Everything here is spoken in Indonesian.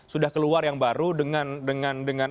sudah keluar yang baru dengan